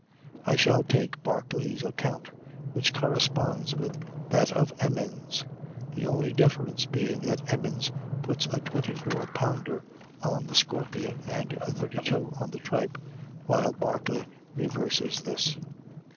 I shall take Barclay's account, which corresponds with that of Emmons; the only difference being that Emmons puts a 24 pounder on the Scorpion and a 32 on the Trippe, while Barclay reverses this.